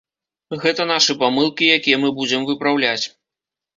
Гэта нашы памылкі, якія мы будзем выпраўляць.